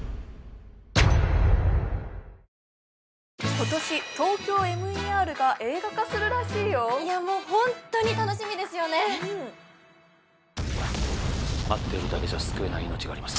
今年「ＴＯＫＹＯＭＥＲ」が映画化するらしいよいやもうホントに楽しみですよねうん待っているだけじゃ救えない命があります